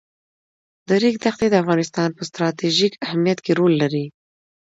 د ریګ دښتې د افغانستان په ستراتیژیک اهمیت کې رول لري.